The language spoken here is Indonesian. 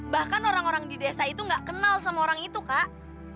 bahkan orang orang di desa itu nggak kenal sama orang itu kak